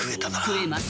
食えます。